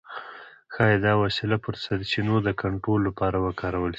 ښايي دا وسیله پر سرچینو د کنټرول لپاره وکارول شي.